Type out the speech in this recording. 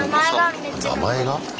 名前が？